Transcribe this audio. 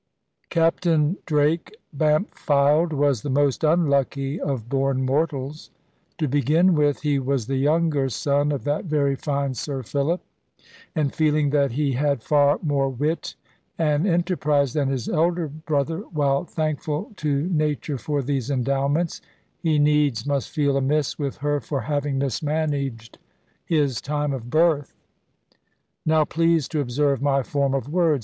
Captain Drake Bampfylde was the most unlucky of born mortals. To begin with, he was the younger son of that very fine Sir Philip, and feeling that he had far more wit and enterprise than his elder brother, while thankful to nature for these endowments, he needs must feel amiss with her for having mismanaged his time of birth. Now please to observe my form of words.